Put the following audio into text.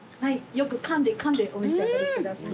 よくかんでかんでお召し上がりください。